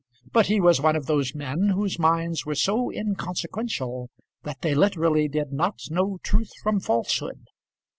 But he was one of those men whose minds were so inconsequential that they literally did not know truth from falsehood.